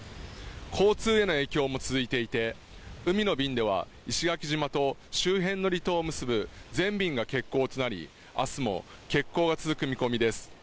交通への影響も続いていて海の便では石垣島と周辺の離島を結ぶ全便が欠航となり明日も欠航が続く見込みです